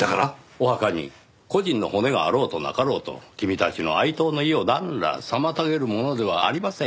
お墓に故人の骨があろうとなかろうと君たちの哀悼の意をなんら妨げるものではありませんよ。